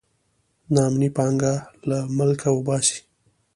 نا امني پانګه له ملکه وباسي.